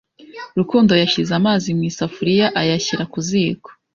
Rukundo yashyize amazi mu isafuriya ayashyira ku ziko.